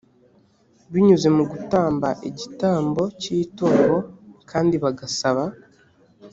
binyuze mu gutamba igitambo cy itungo kandi bagasaba